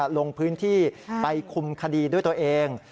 ลงพื้นที่ไปคุมคดีด้วยตัวเอง